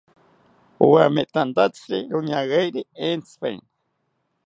Owametanthatziri roñageri entzipaeni